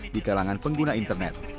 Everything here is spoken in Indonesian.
di kalangan pengguna internet